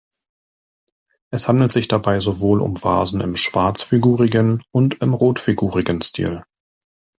Es handelt sich dabei sowohl um Vasen im schwarzfigurigen und im rotfigurigen Stil.